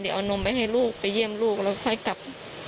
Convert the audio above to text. เดี๋ยวเอานมไปให้ลูกไปเยี่ยมลูกแล้วค่อยกลับ